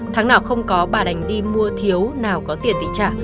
tháng nào không có bà đành đi mua thiếu nào có tiền bị trả